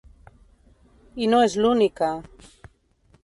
I no és l'única…